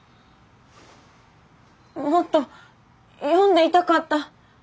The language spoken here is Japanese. もっと読んでいたかった。